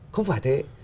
không phải thế